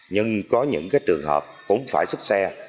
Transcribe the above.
nhưng có những trường hợp cũng phải xuất xe